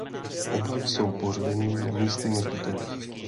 Oba jsou pohřbení na místním hřbitově.